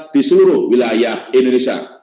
di seluruh wilayah indonesia